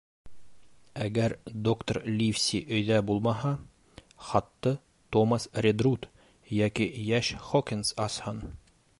«Әгәр доктор Ливси өйҙә булмаһа, хатты Томас Редрут йәки йәш Хокинс асһын».